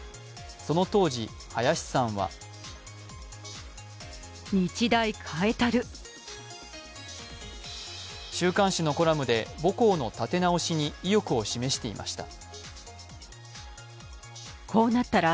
その当時、林さんは週刊誌のコラムで母校のたて直しに意欲を示していました。